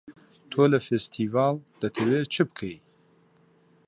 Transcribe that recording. تۆ لە فێستیڤاڵ دەتەوێ چ بکەی؟